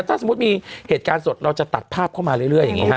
ถ้าสมมุติมีเหตุการณ์สดเราจะตัดภาพเข้ามาเรื่อย